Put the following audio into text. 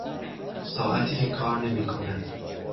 ساعتی که کار نمیکند